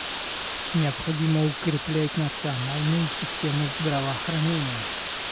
Необходимо укреплять национальные системы здравоохранения.